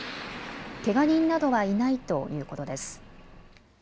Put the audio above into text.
けが人などはいないということです。